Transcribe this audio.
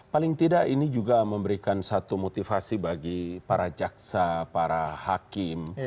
paling tidak ini juga memberikan satu motivasi bagi para jaksa para hakim